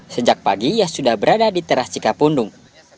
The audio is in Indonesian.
sejak pagi ia sudah berada di teras cikapundung